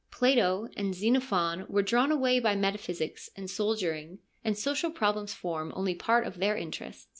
Plato and Xenophon were drawn away by metaphysics and soldiering, and social problems form only a part of their interests.